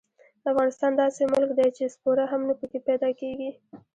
افغانستان داسې ملک دې چې سپوره هم نه پکې پیدا کېږي.